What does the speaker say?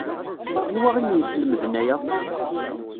Anwa i m-yeslemden aya?